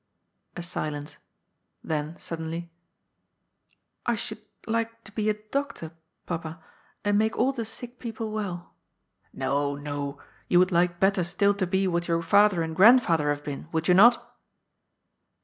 A silence. Then suddenly: "I should like to be a doctor, Papa, and make all the sick people well." " ^NTo, no. You would like better still to be what your father and grandfather have been, would you not